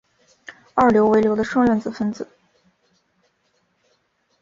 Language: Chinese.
二硫为硫的双原子分子。